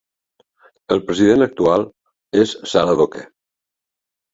El president actual és Sara Doke.